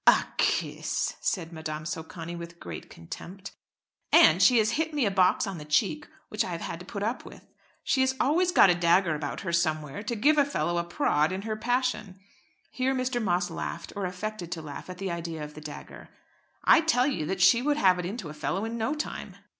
"A kiss!" said Madame Socani with great contempt. "And she has hit me a box on the cheek which I have had to put up with. She has always got a dagger about her somewhere, to give a fellow a prod in her passion." Here Mr. Moss laughed or affected to laugh at the idea of the dagger. "I tell you that she would have it into a fellow in no time."